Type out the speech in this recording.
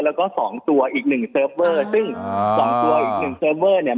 แล้วก็๒ตัวอีก๑เซิร์ฟเวอร์ซึ่ง๒ตัวอีก๑เซิร์ฟเวอร์เนี่ย